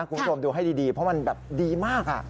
คุณผู้ชมดูให้ดีเพราะมันแบบดีมาก